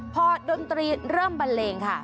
พอดนตรีเริ่มบันเลงค่ะ